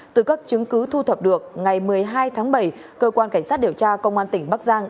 từ các chứng cứ thu thập được ngày một mươi hai tháng bảy cơ quan cảnh sát điều tra công an tỉnh bắc giang